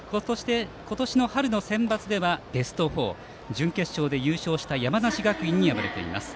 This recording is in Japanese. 今年の春のセンバツではベスト４準決勝で優勝した山梨学院に敗れています。